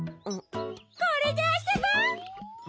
これであそぼう！